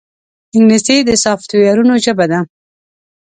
انګلیسي د سافټویرونو ژبه ده